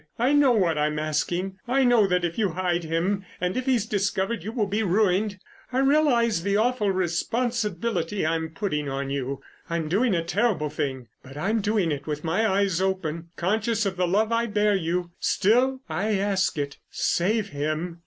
I know what I'm asking. I know that if you hide him and if he's discovered you will be ruined. I realise the awful responsibility I'm putting on you. I'm doing a terrible thing, but I'm doing it with my eyes open, conscious of the love I bear you.... Still, I ask it. Save him."